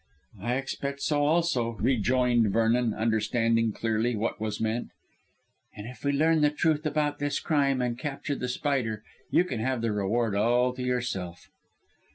"I expect so also," rejoined Vernon, understanding clearly what was meant, "and if we learn the truth about this crime and capture The Spider you can have the reward all to yourself."